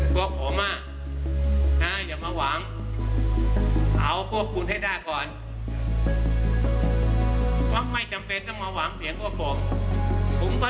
เพราะว่าไม่จำเป็นต้องมาหวังเสียงกว่าผม